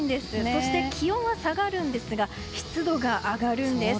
そして気温は下がるんですが湿度が上がるんです。